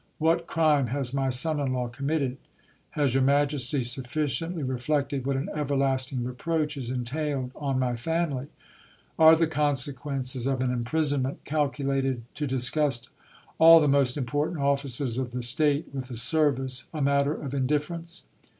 What crime has my son in law committed? Has your majesty sufficiently reflected what an everlasting reproach is entailed on my family ? Are the con sequences of an imprisonment calculated to disgust all the most important officers of the state with the service, a matter of indifference